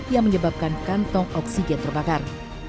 yang menyebabkan kantong oksigen terbakar